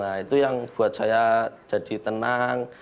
nah itu yang buat saya jadi tenang